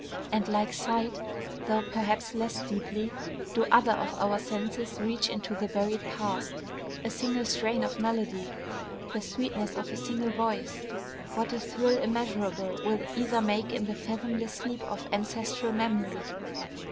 And like sight, though perhaps less deeply, do other of our senses reach into the buried past. A single strain of melody, the sweetness of a single voice what thrill immeasurable will either make in the fathomless sleep of ancestral memory!